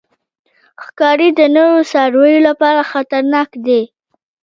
ښکاري د نورو څارویو لپاره خطرناک دی.